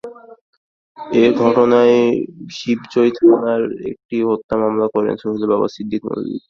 এ ঘটনায় শিবচর থানায় একটি হত্যা মামলা করেন সোহেলের বাবা ছিদ্দিক মল্লিক।